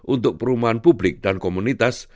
untuk perumahan publik dan komunitas